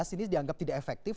ini dianggap tidak efektif